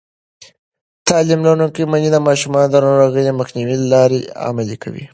تعلیم لرونکې میندې د ماشومانو د ناروغۍ مخنیوي لارې عملي کوي.